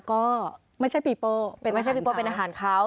ก็ไม่ใช่ปีโป้เป็นอาหารเขาไม่ใช่ปีโป้เป็นอาหารเขา